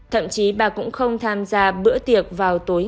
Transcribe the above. thậm chí bà cũng không tham gia bữa tiệc vào tối